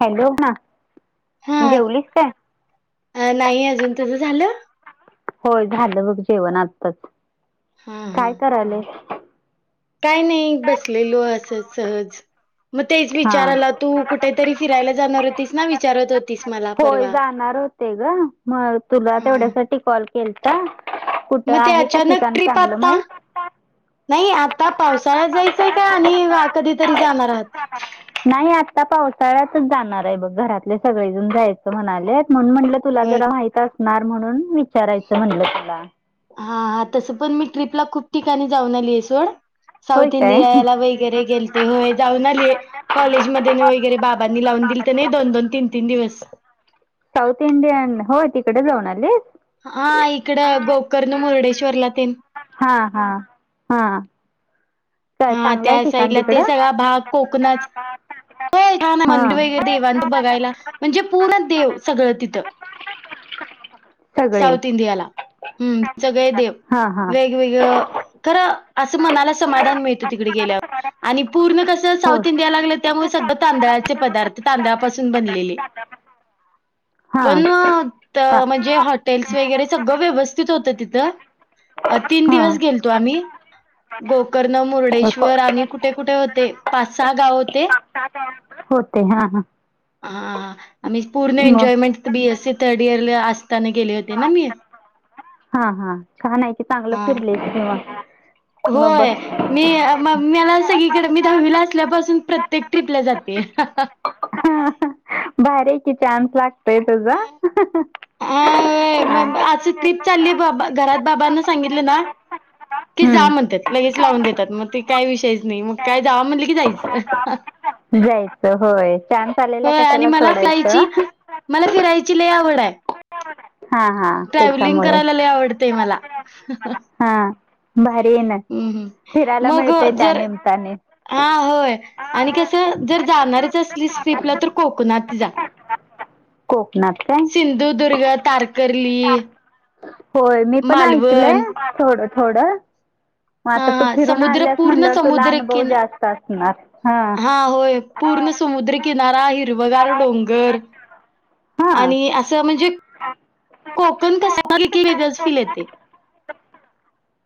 Hello, बोल ना, हा जेवलीस काय? अ नाही अजून तुझं झालं? होय, झालं बघ जेवण आताच हा हा काय कराल्यास? काय नाही, बसलेलो असंच सहज. मग तेच हा विचारायला तू कुठेतरी फिरायला जाणार होतीस ना, विचारत होतीस मला परवा. ते ग, मग तुला हा. तेवढ्यासाठी कॉल केलता. कुठं मग ते आहे का, अचानक ठिकाण ट्रिप चांगलं आता माहित? नाही, आता पावसाळ्यात जायचंय का आणि कधीतरी जाणार आहात? नाही, आता पावसाळ्यातच जाणार आहे बघ, घरातले सगळेजून जायचं म्हणालेत. म्हणून म्हटलं तुला होय. जरा माहित असणार, म्हणून विचारायचं म्हणलं तुला. हा, हा, तसं पण मी ट्रीपला खूप ठिकाणी जाऊन आली आहे सोड. होय साऊथ काय? इंडियाला वगैरे गे- लते. होय, जाऊन आलेय, कॉलेजमध्ये वगैरे बाबांनी लावून दिलतं नाही दोन दोन, तीन तीन दिवस. साऊथ इंडियन हो, तिकडे जाऊन आलीस? हा, इकडं गोकर्ण, मुर्डेश्वरला तेन. हा, हा, हा. काय हा, चांगलं आहे त्या ठिकाण साईडला तिकडं? ते सगळा भाग कोकणच- हो हान ना मंदिर हा. वगैरे देवांत बघायला म्हणजे पूर्ण देव सगळं तिथं. सगळे साऊथ इंडियाला हम्म सगळे देव हा हा वे''--'' वेगवेगळ्या खरं असं म्हणाला समाधान. मिळतं तिकडे गेल्यावर आणि पूर्ण कस हो. साथ इंडिया लागलं त्यामुळे स तांदळाचे पदार्थ तां''--'' पाून बनलेले हा पण त का म्हणजे हॉटेल्स वगैरे सगळ व्यवस्थित होत तिथ तीन हा दिवस गेले. तो आम्ही गोकर्ण मुर्डेश्वर आणि कुठ. कुठे कुठे ते पाच सहा गाव होते. सात वाजता वर. होते हा हां, हा हा, आम्ही पूर्ण मग एन्जॉयमेंट. बीएससी थड इयर ला असताना गेले होते ना मी. हा हा, छान आहे क चांगलं हां. फिरलेच किव्हा. होय. मी मग मला सगळीकडे मी दहावीला असल्यापासून प्रत्येक ट्रीपला जाते. भारी कि चान्स लागतोय तुझा. अ होय मग आस ट्रिप चाललीय बा घरात बाबांना सांगितलं ना. की जा हम्म म्हणतात लगेच लावून देतात मग ते काय विषयच नाही मग काय जाव म्हणले की जायचं. जायचं होय छानस आलेला होय आणि कशाला मला सोडायचं. फिरायची मला फिरायची लय आवड आहे. हा हा ट्रॅव्हलिंग त्याच्यामुळे करायला लय आवडतेय मला. हा भारी ना हं, हं. फिरायला मिळते त्यानम्ताने. हा होय आणि कसं जर जाणारच असलीस ट्रीपला तर कोकणात जा. कोकणात काय सिंधुदुर्ग तारकर्ली. होय मी पण ऐकलय मालवण थोड थोड. मग आता हां, तू हां. फिरून समुद्र आल्यास पूर्ण म्हणल्यावर तुला अनुभव जास्त असणार. हा होय पूर्ण समुद्रकिनारा हिरवगार डोंगर. हा आणि असं म्हणजे कोकण कस वेगळंच फील येते.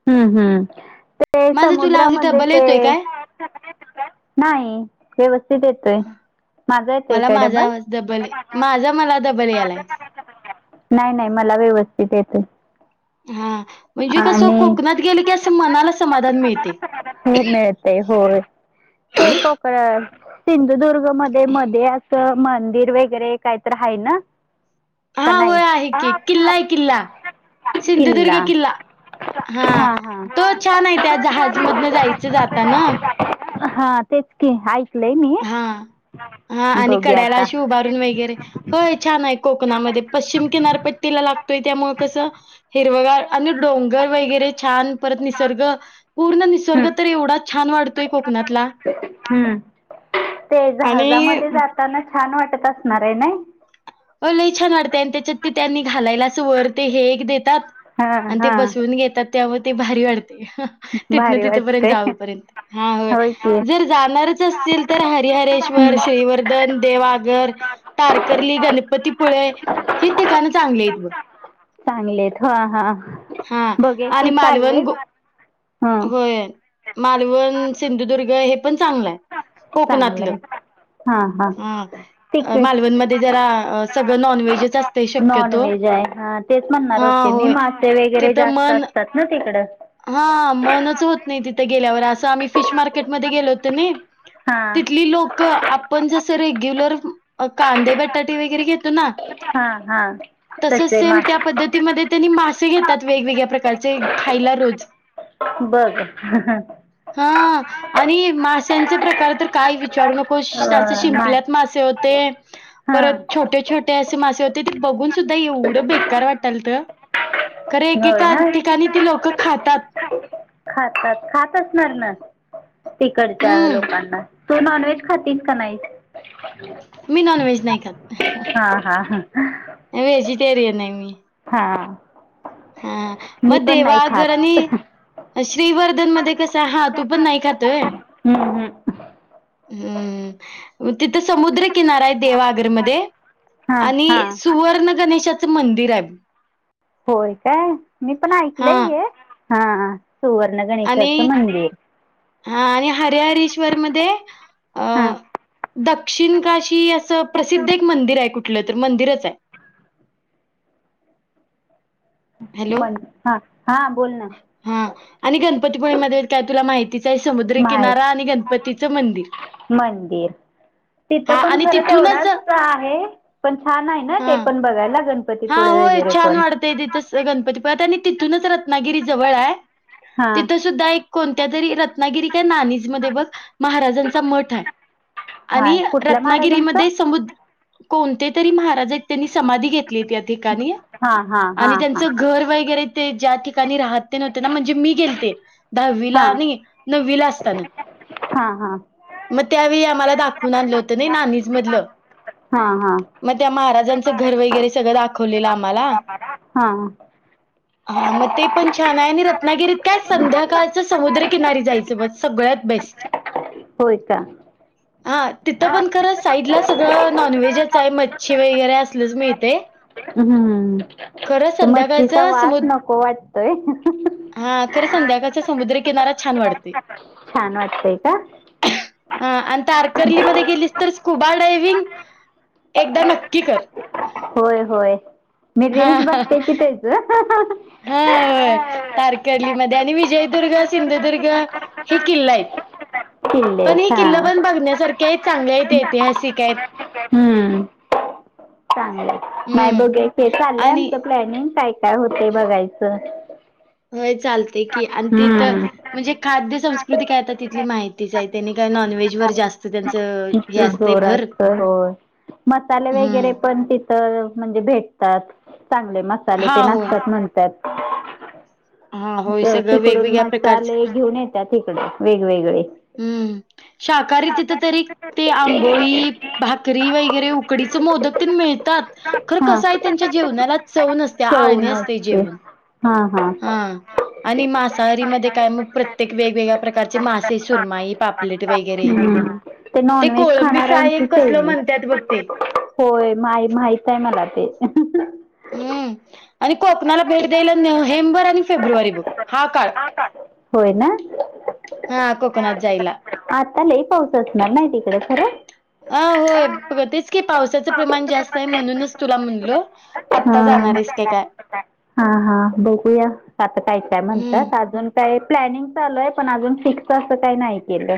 हम् हम्, ते माझा तुला आवाज समुद्रामध्ये डबल ते. येतोय काय? नाही व्यवस्थित येतोय माझा येतोय मला काय माझा डबल. आवाज डबल माझा मला डबल यालाय. नाही नाही मला व्यवस्थित येतोय. हा म्हणजे कसं आणि कोकणात गेलं की असं मनाला समाधान मिळतय. हो मिळतेय होय ते कोकण सिंधुदुर्ग मध्ये मध्ये अस. त मंदिर वगैरे काहीतर आहे ना. हां, कनाई होय आहे की. किल्ला आहे किल्ला. किल्ला. हा तो हा, छान आहे त्या जहाज मधनं जायचं जाताना. हा तेच की ऐकलंय मी. हा हा, आणि बघूया कड्याला आता अशी उभारून वगैरे, होय छान आहे कोकणामध्ये पश्चिम किनारपट्टीला लागतोय त्यामुळ कसं. हिरवगाळ आणि डोंगर वगैरे छान परत निसर्ग पूर्ण नि''--'' हम्म, स्र्ग तर एवढाच छान वाढतोय कोकणातला. हम्म. ते आणि जहाजामध्ये जाताना छान वाटत असणार आहे ना. अ लई छान वाटतय आणि त्याच्यात ते त्यांनी घालायला असं वर ते हे एक देतात. हा आणि ते हा बसवून घेतात तेव ते भारी वाटतय. तिथन- भारी तिथपर्यंत वाटतंय जाऊपर्यंत. हा होय. जर जाणारच असचील तर, हरिहरेश्वर, हम्म. श्रीवर्धन देवआगर, तारकर्ली, गणपतीपुळे ही ठिकाणं चांगलीयत बघ. चांगलेयत. ह, हां. हा. आणि मालवण गो. हा होय. मालवण, सिंधुदुर्ग हे पण चांगलंय. कोकणातलं. चांगलंय हा हा आ. तिकड मालवणमध्ये जरा, अ सगळं नॉनव्हेजच अस नॉनव्हेजय. ह तेच म्हणणार हा होते मी. होय. मासे वगैरे जास्त असतात ना, तिकडं. हा, मनच होत नाही, तिथे गेल्यावर. असं आम्ही फिश मार्केटमध्ये गेलो होतो ना. हां तिथली लो कं आपण जसं, रेग्युलर कांदे- बटाटे वगैरे घेतो ना हां हां तसच तसे सेम मा त्या पद्धतीमध्ये त्यांनी मासे घेतात, वेगवेगळ्या प्रकारचे. खायला रोज. बघ. [unintelligible] हा आणि माश्यांचे प्रकार तर, काय विचारू नक हुश्!. असे मा शिंपल्यात मासे होते हां परत छोटे- छोटे असे मासे होते. ते बघून सुद्धा एवढं बेकार वाटालतं. खर, होय एकेका ना ठिकाणी ती लोकं खातात. खातात. खात असणार ना. तिकडच्या हं, लोकांना. तू नॉनव्हेज खातीस, का नाहीस? मी नॉनव्हेज नाही खात. [unintelligible] हा, हा, हा. व्हेजिटेरियनय मी. हा. हा. मग देवागरनी खात श्रीवर्धनमध्ये कसंय. हा, तू पण नाही खात वय. अं, हम्म. हम्म. तिथं समुद्रकिनाराय, देवआगरमध्ये. हां आणि हां सुवर्ण गणेशाचं मंदिराय. होय काय? मी पण हां ऐकलंय हे. हा. सुवर्ण गणेशाचं मंदिर. हा. आणि हरिहरश्वरमध्ये, अ हा दक्षिण काशी असं प्रसिद्ध एक मंदिराय. कुठलं तर, मंदिरचाय. मन. हा, हा. बोल ना. हा आणि गणपतीपूळेमध्ये काय, तुला माहितीचय. समुद्री माहेर किनारा आणि गणपतीचं मंदिर. मंदिर. तिथं हां पण आणि खरं तिथूनच तेवढाच आहे. पण छान आहे ना. ते हां पण बघायला. गण हा, होय. छान वाढतय तिथच गणपतीपात आणि तिथूनच रत्नागिरी जवळाय. हा तिथं सुद्धा एक कोणत्या तरी, रत्नागिरी काय नाणीजमध्ये बघ, महाराजांचा मठ हाय. आणि हा कुठल्या रत्नागिरीमध्ये महाराजांचं समुद कोणते तरी महाराजयत. त्यांनी समाधी घेतलीय त्यात. ठिकाणी हा हा हा आणि त्यांच हा घर वैगेरे ते ज्या ठिकाणी राहते ना. म्हणजे मी गेलते. हा दहावीला, नाही. नववीला असतानं. हा, हा. मग त्यावेळी आम्हाला दाखवून आणलं होतं नाही नानिज मधलं. हा हा हा मग त्या महाराजांचं घर वगैरे सगळं दाखवलेलं आम्हाला. हा मग ते पण छान आहे आणि रत्नागिरीत काय संध्याकाळ समुद्रकिनारी जायच बघ सगळ्यात बेस्ट. होय का हा तिथं पण खरं साईडला सगळं नॉनव्हेजच आहे मच्छी वगैरे असलंच मिळतय. हम्म तर मच्छीचा संध्याकाळचं वास नको वाटतोय. हा खर संध्याकाळचा समुद्रकिनारा छान वाटतोय. छान वाटतय का? हा आणि तारकर्लीमध्ये गेलीस तर स्कुबा डायविंग- - एकदा नक्की कर. होय होय मी रील्स बघते की तेज- हा -होय तारकर्लीमध्ये आणि विजयदुर्ग- सिंधुदुर्ग हे किल्लयत किल्ले पण हे आहेत, किल्ल हा पण बघण्या सारख ते चांगलेत ऐतिहासिक आहेत. हम्म. चांगलं. नाही हं बघुया की. चाललंय आणि आमचं प्लॅनिंग काय - काय होत बघायचं. होय चालतय की आणि तिथ हम्म. म्हणजे खाद्य संस्कृती काय आता तिथली माहितीच आहे त्यांनी काय नॉनव्हेज वर जास्त- - त्यांचं हे कीती असते भर जोरात? होय. मसाले वगैरे हम्म. पण तिथं. म्हणजे भेटतात. चांगले मसाले हा तेन होय. असत्यात म्हणतात. हा मग होय ति - सगळं तिकडून वेगवेगळ्या मसाले प्रकारचे घेऊन येत्यात इकडे वेगवेगळे. हम्म शाकाहारी तिथं तरी ते आंबोळी, भाकरी वगैरे उकडीच मोदक तेन मिळतात. खरं हा. कसं आहे त्यांच्या जेवणाला चव नसत्या चव आळणी असतय नसते. जेवण. हा हा. हा आणि मासाहारी मध्ये काय मग प्रत्येक वेगवेगळ्या प्रकारचे मासे सुरमाई - पापलेट वगैरे हम्म. ते नॉनव्हेज कोळंबी फ्राय खाणाऱ्यांची एक कसल चैनी म्हणत्यात बघ ते. होय माइ - माहित आहे मला ते. हम्म. आणि कोकणाला भेट द्याला नोव्हेंबर आणि फेब्रुवारी बघ. हा काळ हा हा कोकणात जायला [unintelligible] आता लई पाऊस असणार नाही तिकडे खरं. हा होय ब तेच की पावसाचं प्रमाण जास्त आहे म्हणूनच तुला म्हणलो. आत्ता हा जाणारायस क काय? हा हा बघूया आता काय -काय हम्म म्हणतात अजून काय प्लॅनिंग चालूय पण अजून फिक्स असं काही नाही केलं.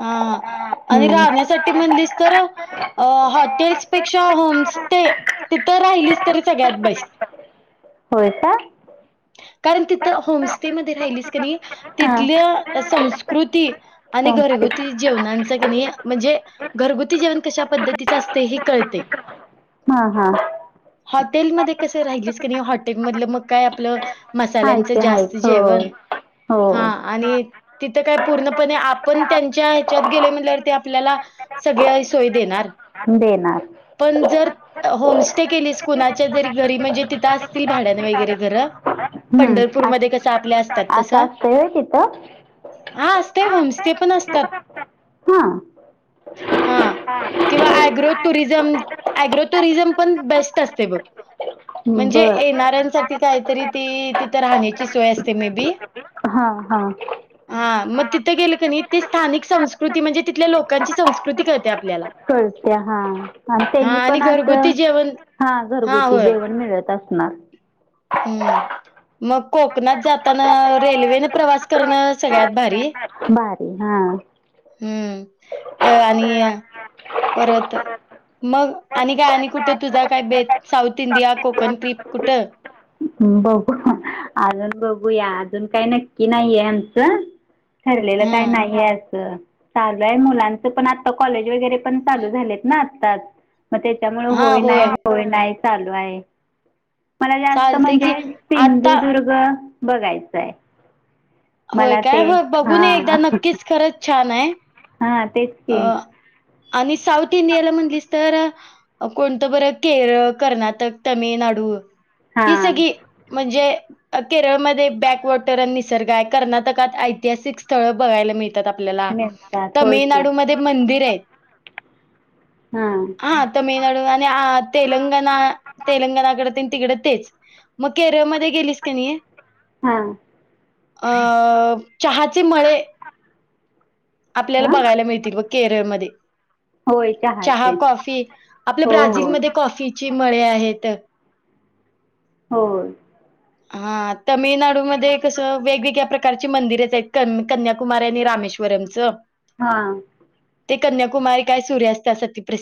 हा आणि हम्म. राहण्यासाठी म्हणलीस तर- - अ हॉटेल्सपेक्षा होम स्टे तिथं राहिलीस तर सगळ्यात बेस्ट. होय काय? कारण तिथं होमस्टे मधे राहिलीस क नाही हा तिथल्या संस्कृती आणि संस्कृत घरगुती जेवनांच की नई म्हणजे घरगुती जेवण कशा पद्धतीचं असतय हे कळतय. हा हा. हॉटेलमध्ये कस राहिलीस क नाही हॉटेल मधलं मग काय आपलं हाय मसाल्यांचं ते हाय जास्त हो जेवण हो हा आणि तिथं काय पूर्णपणे आपण त्यांच्या ह्याच्यात गेले म्हणल्यावर ते आपल्याला सगळेच बर. पण जर होमस्टे केलीस कुणाच्या तरी घरी म्हणजे तिथं असतील भाड्यान वगैरे घरं. हम्म अस- पंढरपूरमध्ये कसं आपल्या असत्यात, तस असं असतंय होय तिथं हा असते होमस्टे पण असतात हां हां. किंवा ऍग्रो टुरिझम, ऍग्रो टूरिझम पण बेस्ट असते बघ. म्हणजे बर येणाऱ्यांसाठी काहीतरी ती, तिथं राहण्याची सोय असते मे बी. हा हा. हा मग तिथं गेलं कणी ते स्थानिक संस्कृती म्हणजे तिथल्या लोकांची संस्कृती कृती कळते आपल्याला कळत्या हा हां त्यांनी आणि पण आस घरगुती जेवण हा घरगुती जेवण मिळत असणार. हम्म. मग कोकणात जाताना रेल्वेनं प्रवास करणं सगळ्यात भारी भारी हां हम्म अ आणि परत मग आणि काय आणि कुठं तुझा काय बेत साऊथ इंडिया कोकन ट्रीप कुठं? बघू अजून बघूया अजून काही नक्की नाहीये आमचं, ठरलेलं काही हां. नाहीे असं, चालू ये मुलांचं पण आता कॉलेज वगैरे. पण चालू झालेत ना आताच मग त्याच्यामुळे होय नाही होय नाही. चालू आहे. मला जास्त चालतंय म्हणजे की. आता सिंधुदुर्ग बघायचंय.. होय काय हं बघूून ये एकदा हां नक्कीच खरंच छान हाय हा तेच. अ की आणि साऊथ इंडियाला म्हणलीस तर कोणतं बर केरळ, कर्नाटक, तमिळनाडू ही हां सगळी. म्हणजे केरळमध्ये बॅकवॉटर आणि निसर्ग आहे कर्नाटकात ऐतिहासिक स्थळ बघायला मिळ तात आपल्याला मिळतात होय की तामिळनाडू मंदिर आहेत, हां हा तमिळ तामिळनाडू आणि तेलंगणा तेलंगणाकडे तेन तिकड तेच मग केरळमध्ये गेलीस कणी. हां अ चहाचे मळे आपल्याला हां बघायला मिळतील बघ केरळमध्ये. होय चहा चहाचे कॉफी आपल्या, हो हो ब्राझीलमध्ये कॉफीची मळे आहेत. होय. हा तमिळनाडूमध्ये कसं वेगवेगळ्या प्रकारचे मंदिरच आहेत, कन्याकुमारी आणि रामेश्वरमचं. हा. ते कन्याकुमारी काय सूर्यास्तासाठी प्रसिद्